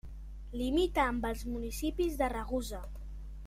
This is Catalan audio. Limita amb els municipis de Ragusa.